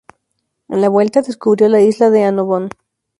En la vuelta, descubrió la isla de Annobón.